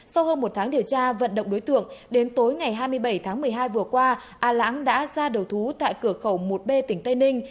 sau hơn một tháng điều tra vận động đối tượng đến tối ngày hai mươi bảy tháng một mươi hai vừa qua a lãng đã ra đầu thú tại cửa khẩu một b tỉnh tây ninh